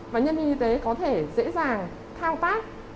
và nhân viên y tế có thể dễ dàng thao tác